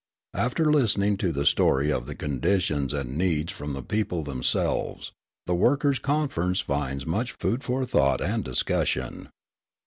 After listening to the story of the conditions and needs from the people themselves, the Workers' Conference finds much food for thought and discussion.